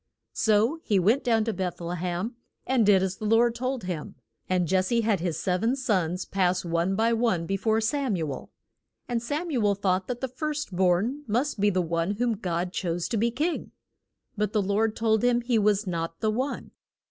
So he went down to Beth le hem, and did as the Lord told him. And Jes se had his sev en sons pass one by one be fore Sam u el. And Sam u el thought that the first born must be the one whom God chose to be king. But the Lord told him he was not the one.